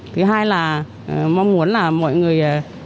thứ hai là mong muốn là mọi người